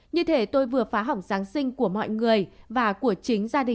như thế tôi vừa phá hoạch